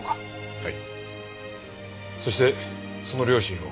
はい。